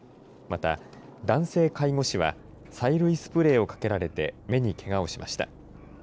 また、男性介護士は、催涙スプレーをかけられて、目にけがをしました。